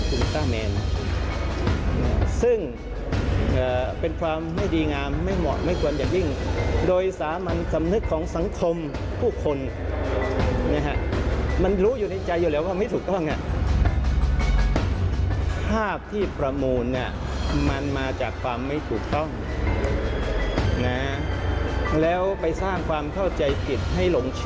เจตนาที่ไม่บริสุทธิ์เนี่ยมีบางอย่างที่มันเป็นเจตนาที่ไม่บริสุทธิ์เนี่ยมีบางอย่างที่มันเป็นเจตนาที่ไม่บริสุทธิ์เนี่ยมีบางอย่างที่มันเป็นเจตนาที่ไม่บริสุทธิ์เนี่ยมีบางอย่างที่มันเป็นเจตนาที่ไม่บริสุทธิ์เนี่ยมีบางอย่างที่มันเป็นเจตนาที่ไม่บริสุทธิ์เ